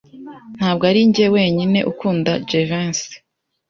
Ntabwo arinjye wenyine ukunda Jivency.